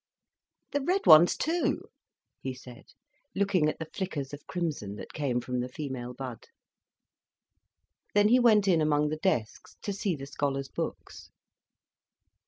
"The red ones too!" he said, looking at the flickers of crimson that came from the female bud. Then he went in among the desks, to see the scholars' books.